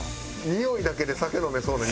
においだけで酒飲めそうな。